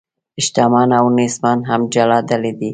شتمن او نیستمن هم جلا ډلې دي.